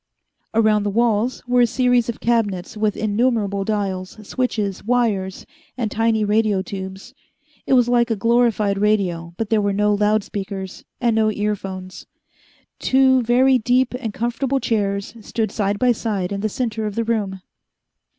Around the walls were a series of cabinets with innumerable dials, switches, wires, and tiny radio tubes. It was like a glorified radio, but there were no loud speakers and no ear phones. Two very deep and comfortable chairs stood side by side in the center of the room.